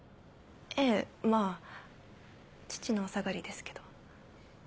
ええまぁ父のお下がりですけど。